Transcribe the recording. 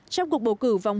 trong cuộc bầu cử vòng một